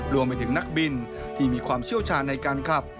รวมไปถึงนักบินที่มีความเชี่ยวชาญในการขับ